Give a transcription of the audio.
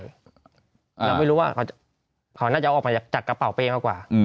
เราไม่รู้ว่าเขาน่าจะออกมาจากกระเป๋าเป้มากกว่า